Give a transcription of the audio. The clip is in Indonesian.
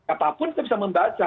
apapun kita bisa membaca